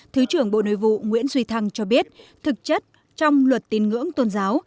thứ trưởng bộ nội vụ nguyễn duy thăng cho biết thực chất trong luật tin ngưỡng tôn giáo